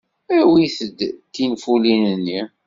Awit-d tinfulin-nni.